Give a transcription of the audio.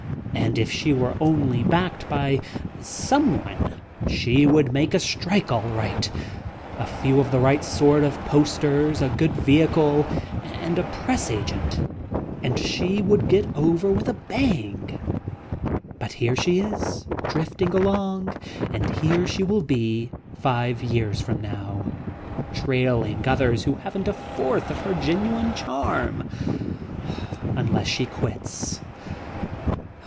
And if she were only backed by someone she would make a strike, all right. A few of the right sort of posters, a good vehicle, and a press agent, and she would get over with a bang. But here she is, drifting along, and here she will be five years from now, trailing others who haven't a fourth of her genuine charm, unless she quits.